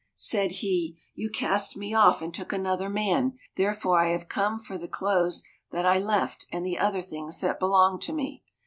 Said he, "You cast me off and took another man, therefore I have come for the clothes that I left, and the other things that belong to me."